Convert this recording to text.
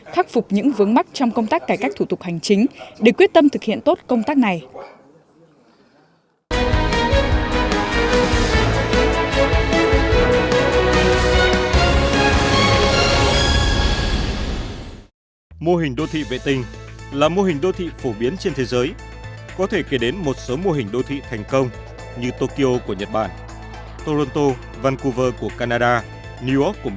khắc phục những vướng mắt trong công tác cải cách thủ tục hành chính để quyết tâm thực hiện tốt công tác này